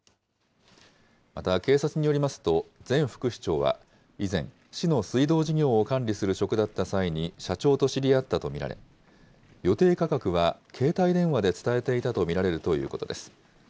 また警察によりますと、前副市長は以前、市の水道事業を管理する職だった際に社長と知り合ったと見られ、予定価格は携帯電話で伝えていたと見られるということです。